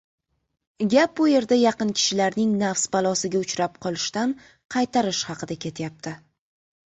Gap bu yerda yaqin kishilarning nafs balosiga uchrab qolishidan qaytarish haqida ketyapti.